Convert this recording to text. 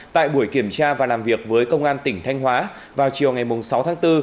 tại buổi kiểm tra và làm việc với công an tỉnh thanh hóa vào chiều ngày sáu tháng bốn